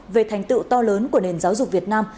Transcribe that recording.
về thành tựu to lớn của nền giáo dục việt nam